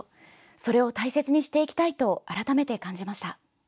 それを大切にしていきたいと改めて感じました。